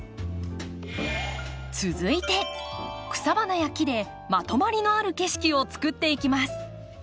続いて草花や木でまとまりのある景色を作っていきます。